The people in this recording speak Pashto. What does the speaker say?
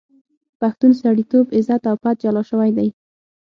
پښتون سړیتوب، عزت او پت جلا شوی دی.